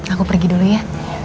aku pergi dulu ya